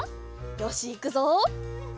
よしいくぞ！